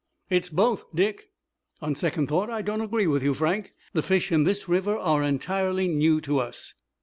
"It's both, Dick." "On second thought, I don't agree with you, Frank. The fish in this river are entirely new to us.